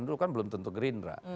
dulu kan belum tentu gerindra